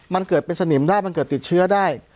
มันเกิดเป็นสนิมได้มันเกิดติดเชื้อได้